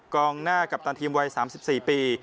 กองหน้ากัปตันทีมวัย๓๔ปี